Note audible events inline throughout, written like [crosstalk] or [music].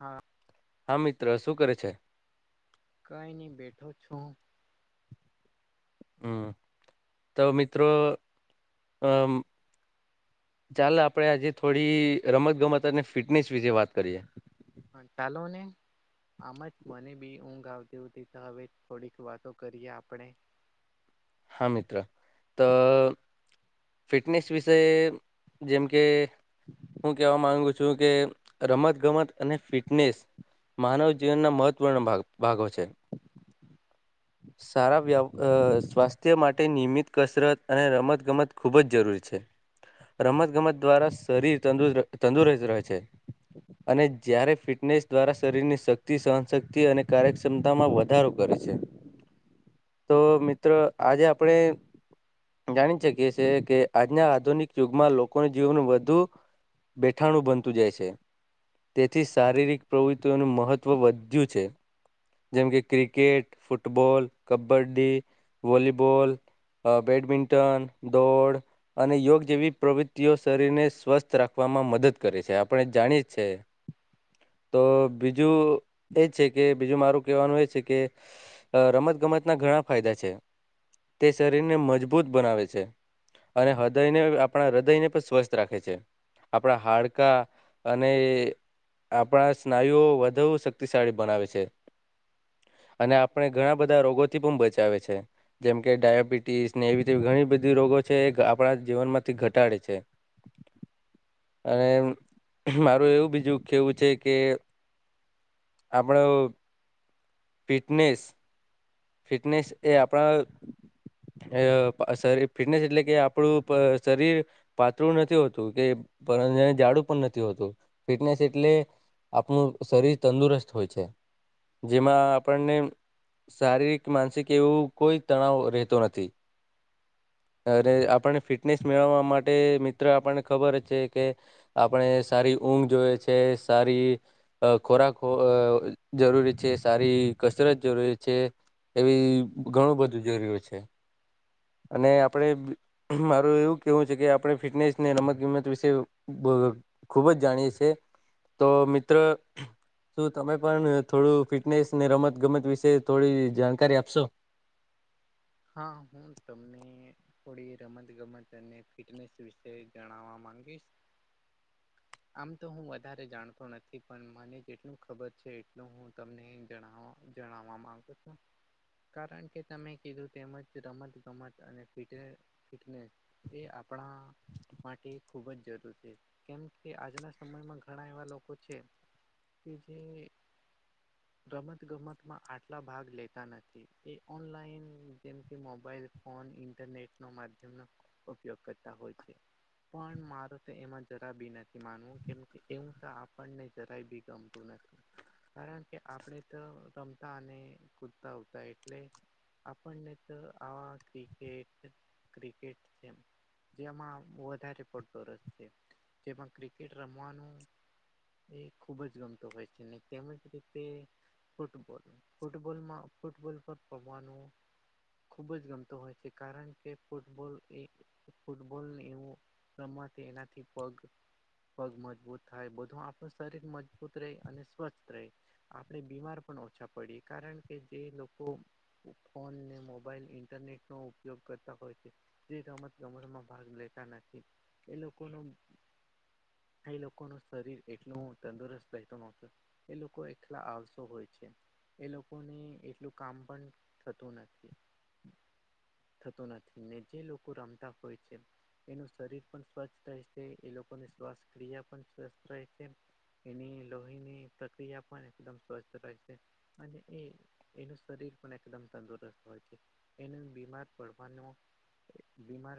હા. હા મિત્ર શું કરે છે. કંઈ નહી બેઠો છું. હમ તો મિત્રો અમ. ચાલ આપડે આજે થોડી રમત ગમત અને ફિટનેસ વિશે વાત કરીએ. હા ટાલોને. આમ જ મને બી ઊંઘ આવતી હોતી તો હવે થોડીક વાતો કરીએ આપણે. હા મિત્ર તો ફિટનેસ વિષય. જેમ કે હું કેવા માંગુ છું કે રમત ગમત. અને ફિટનેસ માનવ જીવનના મહત્વનો ભાગ. ભાગો છે સારા વ સ્વાસ્થ્ય માટે નિયમિત. કસરત અને રમતગમત ખૂબ જ જરૂરી છે. રમત ગમત દ્વારા શરીર તુસ્ત તંદુરસ્ત રહે છે. હ [unintelligible] [unintelligible] અને જ્યારે ફિટનેસ દ્વારા શરીરની શક્તિ સહનશક્તિ અને કાર્યક્ષમતામાં વધારો કરે છે. [inaudible] [unintelligible] તો મિત્ર આજે આપણે જાણી શકીએ છીએ કે આજના આધુનિક યુગમાં લોકોનું જીવન વધુ બેઠાણું બનતું જાય છે. તેથી શારીરિક પ્રવૃત્તિઓનું મહત્વ વધ્યું છે. જેમ કે ક્રિકેટ ફૂટબોલ કબડ્ડી વોલીબોલ. અ બેડમિંન્ટન દોડ. અને યોગ જેવી પ્રવૃત્તિઓ શરીરને સ્વસ્થ રાખવામાં મદદ કરે છે આપણે જાણીએ જ છે. હ [unintelligible] તો બીજું એ છે કે બીજું મારું કેવાનું એ છે કે અ રમત ગમતના ઘણા ફાયદા છે. તે શરીરને મજબૂત બનાવે છે. અને હૃદયને આપણા હૃદયને પણ સ્વસ્થ રાખે છે. આપણા હાડકા અને આપણા સ્નાયુઓ વધુ શક્તિશાળી બનાવે છે. અને આપણે ઘણા બધા રોગોથી પણ બચાવે છે. જેમ કે ડાયાબિટીસને એવી તેવી ઘણી બધી રોગો છે આપણા જીવનમાંથી ઘટાડે છે. [inaudible] અને મારું એવું બીજું કેવું છે કે આપણો ફિટનેસ ફિટનેસ એ આપણા અ પ શરીર ફિટનેસ એટલે કે આપણું પ શરીર પાતળું નથી હોતું કે પરંતુ જાડું પણ નથી હોતું ફિટનેસ એટલે આપણું શરીર તંદુરસ્ત હોય છે જેમાં આપણને શારીરિક, માનસિક એવું કોઈ તણાવ રહેતો નથી. અ રે આપણને ફિટનેસ મેળવવા માટે મિત્ર આપણને ખબર જ છે કે આપણે સારી ઊંઘ જોઈએ છે સારી અ ખોરાક હો અ જરૂરી છે, સારી કસરત જરૂરી છે, એવી ઘણું બધું જરૂરી હોય છે અને આપણે મારું એવું કેવું છે કે આપણે ફિટનેસને રમત ગમત વિશે [inaudible] ખુબ જ જાણીએ સીએ તો મિત્ર શું તમે પણ થોડું ફિટનેસને રમત ગમત વિશે થોડી જાણકારી આપશો? હા હું તમને થોડી રમત ગમત અને ફિટનેસ વિશે જણાવવા માંગીશ. આમ તો હું વધારે જાણતો નથી પણ મને જેટલું ખબર છે એટલું હું તમને જણાવ જણાવવા માંગુ છું કારણ કે તમે કીધું તેમજ રમત ગમત અને ફિટ ફિટનેસ એ આપણા માટે ખૂબ જ જરૂર છે. કેમ કે આજના સમયમાં ઘણા એવા લોકો છે. કે જે ગમત ગમતમાં આટલા ભાગ લેતા નથી. એ ઓનલાઈન હમ કેમ કે મોબાઈલ ફોન, ઇન્ટરનેટનો માધ્યમનો ઉપયોગ કરતા હોય છે. પણ મારુ તો એમાં જરા બી નથી માનવું કેમ કે એવું તો આપણને જરાય બી ગમતું નથી. કારણ કે આપણે તો રમતા અને કૂદતા હોતા એટલે આપણને તો આવા ક્રિકેટ ક્રિકેટ તેમ જેમાં વધારે પડતો રસ છે. જેમાં ક્રિકેટ રમવાનું. એ ખૂબ જ ગમતો હોય છે ને તેમજ રીતે. ફૂટબોલ ફૂટબોલમાં ફૂટબોલ પર પવાનું ખૂબ જ ગમતો હોય છે. કારણ કે ફૂટબોલ એ ફૂટબોલ એવો રમત એનાથી પગ પગ મજબૂત થાય, બધું આપણું શરીર મજબૂત રે અને સ્વસ્થ રે. આપણે બીમાર પણ ઓછા પડીએ કારણ કે જે લોકો ફોન ને મોબાઈલ ઇન્ટરનેટ નો ઉપયોગ કરતા હોય છે. તે રમત ગમતમાં ભાગ લેતા નથી એ લોકોનો થઈ એ લોકોનું શરીર એટલું તંદુરસ્ત રહેતું નોતું. એ લોકો એટલા આળસુ હોય છે. એ લોકોને એટલું કામ પન થતું નથી થતું નથી ને જે લોકો રમતા હોય છે. એનું શરીર પણ સ્વસ્થ રહે છે એ લોકોની શ્વાસ ક્રિયા પણ સ્વસ્થ રહે છે. એની લોહીની પ્રક્રિયા પણ એકદમ સ્વસ્થ રહેશે અને એ. એનું શરીર પણ. એકદમ તંદુરસ્ત હોય છે એને બીમાર પડવાનું બીમાર.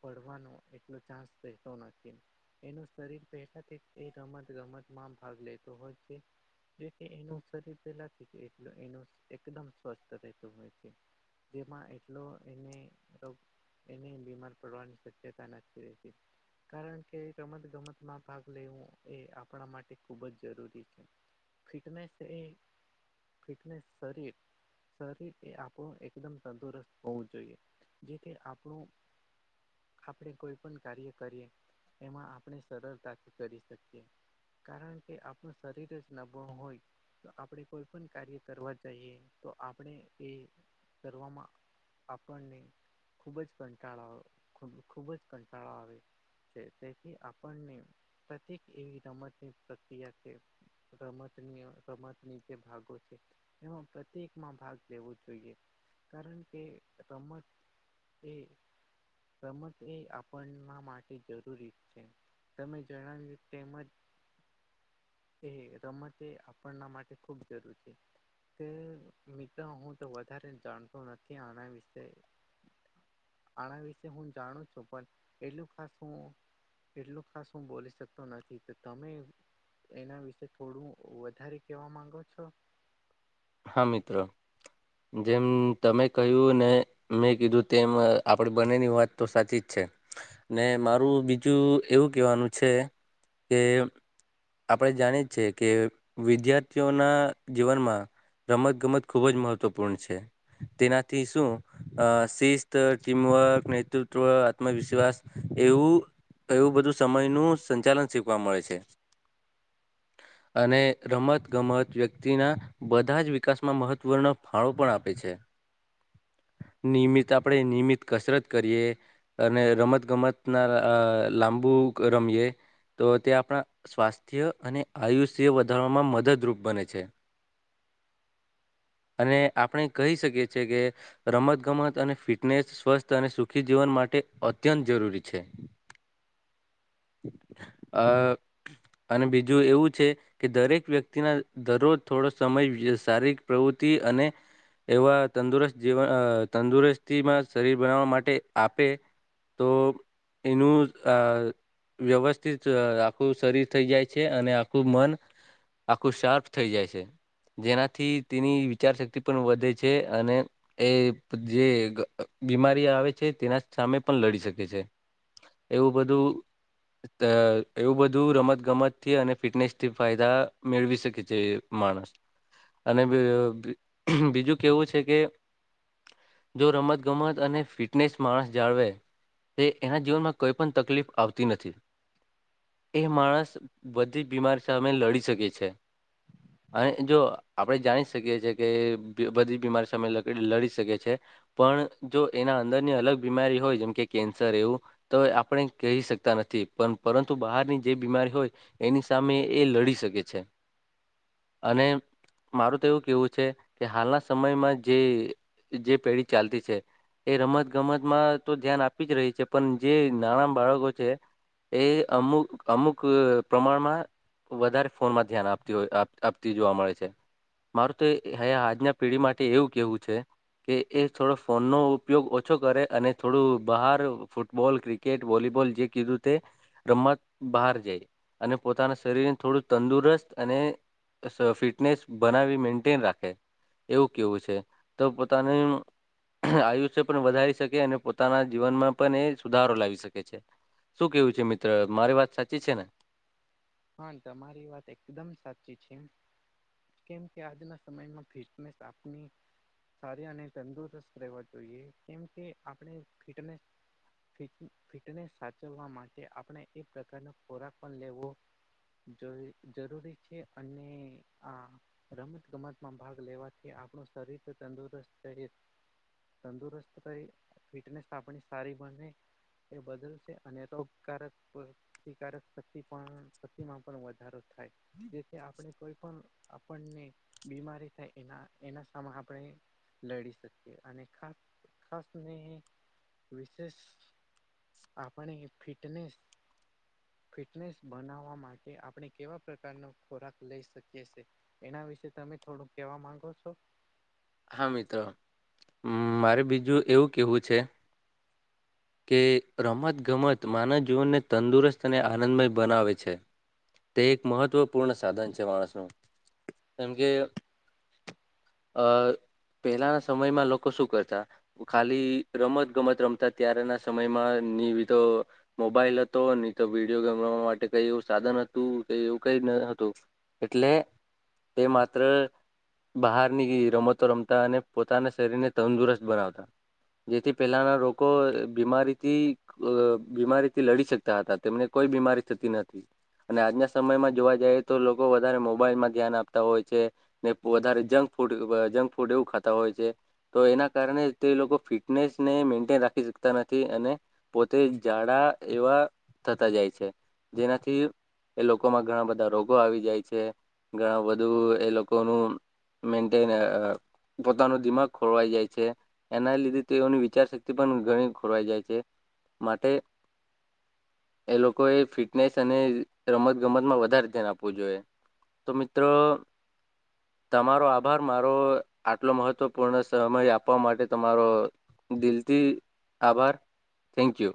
પડવાનો એટલો ચાન્સ રહેતો નથી. એનું શરીર પહેલાથી એ રમત ગમત માં ભાગ લેતો હોય. જે એનું શરીર પેલા એટલ એનું એકદમ સ્વસ્થ રહેતું હોય છે. જેમાં એટલો એને. એને બીમાર પડવાની શક્યતા નથી રેતી. કારણ કે રમત ગમતમાં ભાગ લેવો એ આપણા માટે ખૂબ જ જરૂરી છે. ફિટનેસ એ ફિટનેસ શરીર. શરીર એ આપણું એકદમ તંદુરસ્ત હોવું જોઈએ જેથી આપણું. આપણે કોઈ પણ કાર્ય કરીએ એમાં આપણે સરળતાથી કરી શકીએ. કારણ કે આપણું શરીર જ નબળું હોય. આપણે કોઈ પણ કાર્ય કરવા જઈએ તો આપણે એ કરવામાં. આપણને ખૂબ જ કંટાળો ખૂબ જ કંટાળો આવે. તેથી આપણને પ્રત્યેક એવી રમતની પ્રક્રિયા કે. રમતની રમતની જે ભાગો છે એમાં પ્રત્યેક. માં ભાગ લેવો જોઈએ કારણ કે રમત એ. રમત એ આપણના માટે જરૂરી છે. તમે જણાવ્યું તેમજ. એ રમત એ આપણના માટે ખૂબ જરૂર છે તે. મિત્રો હું તો વધારે જાણતો નથી આના વિશે. આના વિશે હું જાણું છું પણ એટલું ખાસ હું. એટલું ખાસ હું બોલી શકતો નથી કે તમે.. એના વિશે થોડું વધારે કેવા માંગો છો. હા મિત્રો. જેમ તમે કહ્યું ને. મેં કીધું તેમ આપડી બનેની વાત તો સાચી જ છે. ને મારું બીજું એવું કેવાનું છે કે. આપણે જાણીએ છે કે વિદ્યાર્થીઓના જીવનમાં. રમત ગમત ખૂબ જ મહત્વપૂર્ણ છે તેનાથી શું. અ શિસ્ત ટીમવર્ક નેતૃત્વ આત્મવિશ્વાસ એવું. એવું બધું સમય નું સંચાલન શીખવા મળે છે. અને રમત ગમત વ્યક્તિના બધા જ વિકાસમાં મહત્વના. ફાળો પણ આપે છે નિયમિત આપણેે નિયમિત કસરત કરીએ. અને રમત ગમત ના લાંબુ રમીએ. તો તે આપણા સ્વાસ્થ્ય અને આયુષ્ય વધારવામાં મદદરૂપ બને છે. અને આપણે કહી શકીએ છ છેએ કે. રમત ગમત અને ફિટનેસ સ્વસ્થ અને સુખી જીવન માટે અત્યંત જરૂરી છે. [inaudible] અ અને બીજું એવું છે. કે દરેક વ્યક્તિના દરરોજ થોડો સમય શારીિક પ્રવૃતિ અને. એવા તંદુરસ્ત જવન તંદુરસ્તીમાં શરીર બનાવવા માટે આપે. તો એનું અ વ્યવસ્થિત આખું શરીર થઈ જાય છે અને આખું મન આખું શાર્પ થઈ જાય છે જેનાથી તેની. વિચાર શક્તિ પણ વધે છે અને. એ જે બીમારી આવે છે તેના સામે પણ લડી શકે છે. એવું બધું. અ એવું બધું રમતગમતથી અને ફિટનેસથી ફાયદા મેળવી શકે છે. માણસ, અને બીજું કેવું છે કે જો રમત ગમત અને ફિટનેસ માણસ જાળવે. તે એના જીવનમાં કોઈ પણ તકલીફ આવતી નથી. એ માણસ બધી બીમારી સામે લડી શકે છે. અને જો આપણેે જાણી શકીએ છીએ. કે બધી બીમારી સામે લડી શકે છે. પણ જો એના અંદરની અલગ બીમારી હોય જેમ કે કેન્સર એવું. તો આપણે કહી શકતા નથી પણ પરંતુ બહારની જે બીમારી હોય. એની સામે એ લડી શકે છે, અને માર તો એવું કેવું છે. કે હાલના સમયમાં જે જે પેઢી ચાલતી છે. એ રમત ગમતમાં તો ધ્યાન આપી જ રહી છે પણ જે નાના બાળકો છે. એ અમુક અમુક પ્રમાણમાં વધારે ફોનમાં ધ્યાન આપતી હોય આપતી જોવા મળે છે. હ આજના પેઢી માટે એવું કેવું છે. કે એ થોડો ફોન નો ઉપયોગ ઓછો કરે અને થોડું બહાર ફૂટબોલ ક્રિક ક્રિકેટ વોલીબોલ જે કીધું તે. રમત બહાર જાય, અને પોતાના શરીરને થોડું તંદુરસ્ત અને ફિટનેસ બનાવી મે રાખે, એવું કેવું છે, તો પોતાને આયુષ્ય પણ વધારી શકે અને પોતાના જીવનમાં પણ એ સુધારો લાવી શકે છે. શું કેવું છે મિત્ર મારી વાત સાચી છે ને? પણ તમારી વાત એકદમ સાચી છે એમ. કેમ કે આજના સમયમાં ફિટનેસ આપની સારી અને તંદુરસ્ત રહે જોઈએ કેમ કે આપણે ફિટને ફિટનેસ સાચવવા માટે આપણે એ પ્રકારનો ખોરાક પણ લેવો જો જરૂરી છે અને આ રમત ગમતમાં ભાગ લેવાથી આપણું શરીર તંદુરસ્ત રહે. તંદુરસ્ત કરી ફિટનેસ આપ સારી બને. એ બદલ છે અને તોકારક પ્રતિકારક શક્તિ પણ માં પણ વધારો થાય, જેથી આપણે કોઈ પણ આપણને બીમારી થાય એના એના સામે આપણે લડી શકીએ અને ખાસ ખાસને વિશેષ. આપણે ફિટનેસ, ફિટનેસ બનાવ વા માટે આપણે કેવા પ્રકારનો ખોરાક લઈ શકીએ છે? એના વિશે તમે થોડુંક કેવા માંગો છો? હા મિત્રો, મારે બીજું એવું કહેવું છે. કે રમત ગમત માનવ જીવનને તંદુરસ્ત અને આનંદમય બનાવે છે. તે એક મહત્વપૂર્ણ સાધન છે માણસનું, કેમ કે અ પહેલાના સમયમાં લોકો શું કરતા. ખાલી રમત ગમત રમતા ત્ય્યારેના સમયમાં નિ વિધો મોબાઈલ હતો હી તો વિડીયો ગેમવા માટે કઈ એવું સાધન હતું કઈ એવું કઈ ન હતું. એટલે એ માત્ર બહાર નીકળી રમતો રમતા અને પોતાના શરીરને તંદુરસ્ત બનાવતા. જેથી પેલાના રોગ લોકો બીમારીથી બીમારીથી લડી શકતા હતા તેમને કોઈ બીમારી થતી નથી. અને આજના સમયમાં જોવા જઈએ તો લોકો વધારે મોબાઈલમાં ધ્યાન આપતા હોય છે. ને વધારે જંક ફૂડ જંક ફૂડ એવું ખાતા હોય છે. તો એના કારણે જ તે લોકો ફિટનેસ ને મેન્ટેન રાખ શકતા નથી અને, પોતે જાડા એવા થતા જાય છે. જેનાથી એ લોકોમાં ઘણા બધા રોગો આવી જાય છે, ઘણા બધું એ લોકોનું મેન્ટન પોતાનો દિમાગ ખોરવાઈ જાય છે, એના લીધે તેઓની વિચારશક્તિ પણ ઘણી ખોરવાઈ જાય છે, માટે એ લોકોએ ફિટનેસ અને રમત ગમતમાં વધારે ધ્યાન આપવું જોઈએ. તો મિત્રો તમારો આભાર, મારો આટલો મહત્વપૂર્ણ સમય આપવા માટે તમારો. દિલથી આભાર, થેન્ક યુ.